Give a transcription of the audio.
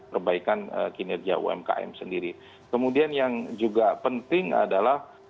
perbaikan kinerja umkm sendiri kemudian yang juga penting adalah